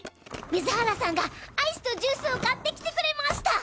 水原さんがアイスとジュースを買ってきてくれました！